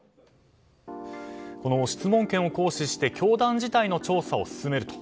この質問権を行使して教団自体の調査を進めると。